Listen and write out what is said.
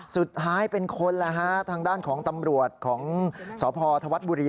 สุดท้ายเป็นคนแล้วฮะทางด้านของตำรวจของสพธวัฒน์บุรี